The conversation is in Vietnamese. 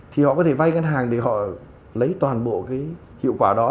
thì họ có thể vay ngân hàng để họ lấy toàn bộ cái hiệu quả đó